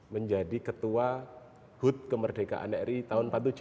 menjadi ketua hud kemerdekaan ri tahun empat puluh tujuh